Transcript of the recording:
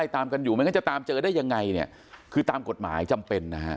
ตามกันอยู่ไม่งั้นจะตามเจอได้ยังไงเนี่ยคือตามกฎหมายจำเป็นนะฮะ